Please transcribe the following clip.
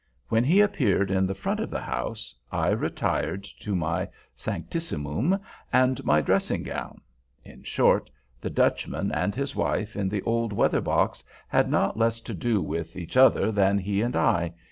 When he appeared in the front of the house, I retired to my sanctissimum and my dressing gown. In short, the Dutchman and, his wife, in the old weather box, had not less to do with, each other than he and I.